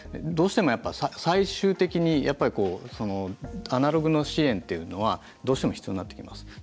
どうしても最終的にアナログの支援っていうのはどうしても必要になってきます。